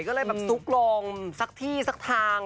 ก็เลยแบบซุกลงสักที่สักทาง